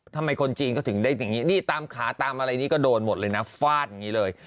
ทำไมคนจีนก็ถึงได้อย่างนี้นี่ตามขาตามอะไรนี่ก็โดนหมดเลยนะฟาดอย่างนี้เลย